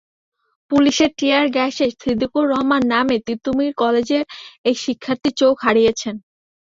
পুলিশের টিয়ার গ্যাসে সিদ্দিকুর রহমান নামে তিতুমীর কলেজের এক শিক্ষার্থী চোখ হারিয়েছেন।